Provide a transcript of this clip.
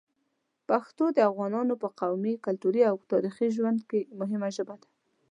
پښتو د افغانانو په قومي، کلتوري او تاریخي ژوند کې مهمه ژبه ده.